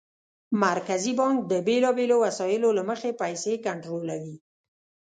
مرکزي بانک د بېلابېلو وسایلو له مخې پیسې کنټرولوي.